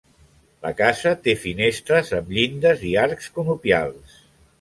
La casa té finestres amb llindes i arcs conopials.